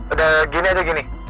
udah gini aja gini